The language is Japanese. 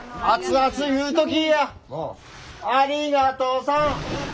ありがとさん！